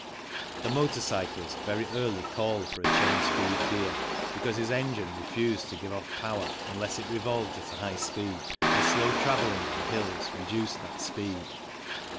The motor cyclist very early called for a change speed gear, because his engine refused to give off power unless it revolved at a high speed, and slow travelling on hills reduced that speed.